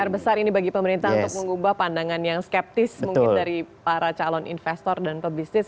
pr besar ini bagi pemerintah untuk mengubah pandangan yang skeptis mungkin dari para calon investor dan pebisnis